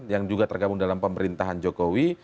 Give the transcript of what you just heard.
yang juga tergabung dalam pemerintahan jokowi